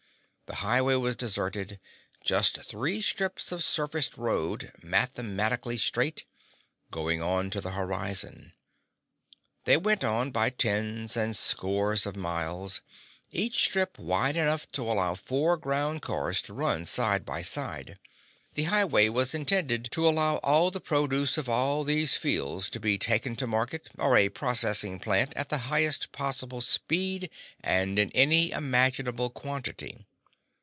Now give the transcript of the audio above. The highway was deserted, just three strips of surfaced road, mathematically straight, going on to the horizon. They went on by tens and scores of miles, each strip wide enough to allow four ground cars to run side by side. The highway was intended to allow all the produce of all these fields to be taken to market or a processing plant at the highest possible speed and in any imaginable quantity.